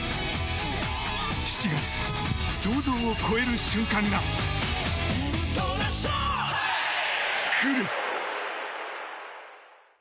７月、想像を超える瞬間が来る！